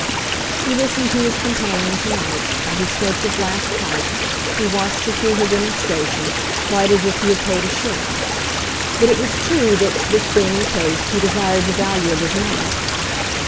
He listened to his companion to night, while he smoked his last pipe, he watched her through her demonstration, quite as if he had paid a shilling. But it was true that, this being the case, he desired the value of his money.